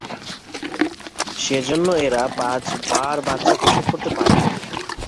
সেজন্য এরা বছরে পাঁচ বার বাচ্চা প্রসব করতে পারে।